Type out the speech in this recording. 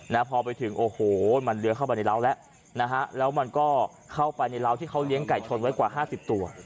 พอไปถึงโอ้โหมันเลื้อเข้าไปในร้าวแล้วนะฮะแล้วมันก็เข้าไปในร้าวที่เขาเลี้ยงไก่ชนไว้กว่าห้าสิบตัว